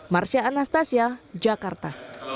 marsya anastasia jakarta